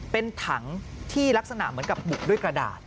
เป็นถังที่ลักษณะเหมือนกับบุกด้วยกระดาษ